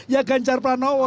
ya ganjar pranowo